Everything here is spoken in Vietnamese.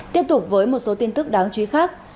tiếp tục với một số tin tức đáng chú ý khác